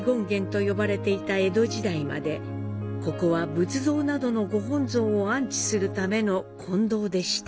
ここは仏像などの御本尊を安置するための金堂でした。